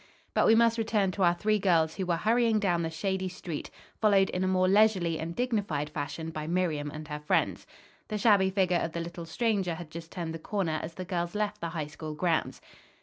But we must return to our three girls who were hurrying down the shady street, followed in a more leisurely and dignified fashion by Miriam and her friends. The shabby figure of the little stranger had just turned the corner as the girls left the High School grounds.